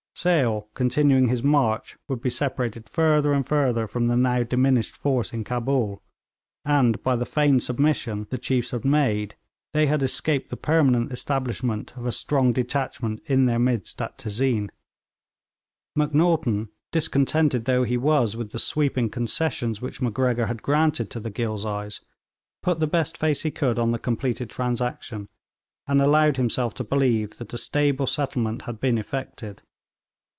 Sale, continuing his march, would be separated further and further from the now diminished force in Cabul, and by the feigned submission the chiefs had made they had escaped the permanent establishment of a strong detachment in their midst at Tezeen. Macnaghten, discontented though he was with the sweeping concessions which Macgregor had granted to the Ghilzais, put the best face he could on the completed transaction, and allowed himself to believe that a stable settlement had been effected.